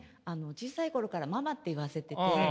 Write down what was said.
小さい頃から「ママ」って言わせてて。